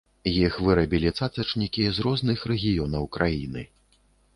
Іх вырабілі цацачнікі з розных рэгіёнаў краіны.